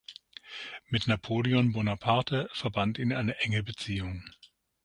Mit Napoleon Bonaparte verband ihn eine enge Beziehung.